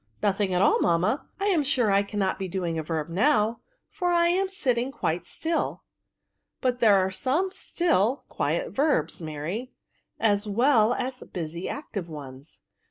" Nothing at all, mamma ; I am sure I cannot be doing a verb now, for I am sitting quite stiU." *' But there are some still, quiet verbs, Mary, as well as busy active ones.